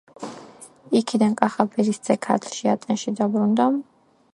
იქიდან კახაბერისძე ქართლში, ატენში დაბრუნდა.